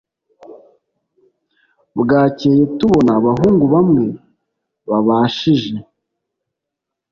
Bwakeye tubona abahungu bamwe babashije